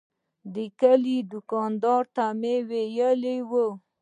د کلي دوکاندار ته یې ویلي و.